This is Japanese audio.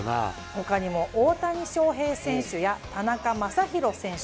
他にも大谷翔平選手や田中将大選手